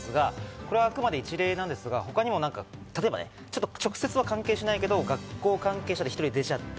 あくまで一例ですが、他にも例えば直接は関係しないけど学校関係者で１人出ちゃった。